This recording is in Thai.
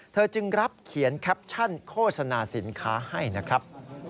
จึงรับเขียนแคปชั่นโฆษณาสินค้าให้นะครับ